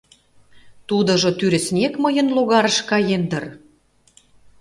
Тудыжо тӱрыснек мыйын логарыш каен дыр.